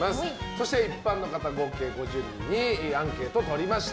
そして一般の方、合計５０人にアンケートをとりました。